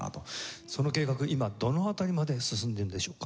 その計画今どの辺りまで進んでいるのでしょうか？